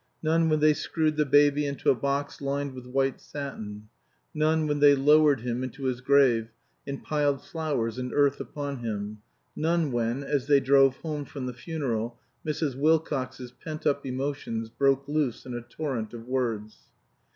None when they screwed the baby into a box lined with white satin; none when they lowered him into his grave and piled flowers and earth upon him; none when, as they drove home from the funeral, Mrs. Wilcox's pent up emotions broke loose in a torrent of words.